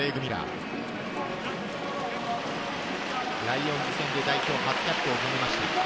ライオンズ戦で代表初キャップを踏みました。